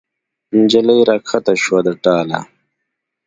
نجلۍ را کښته شوه د ټاله